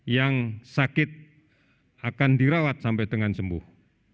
yang sakit akan dirawat sampai dengan sembuh